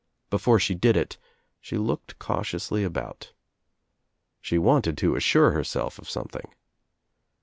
Before she did it she looked cautiously about. She wanted to assure herself of something.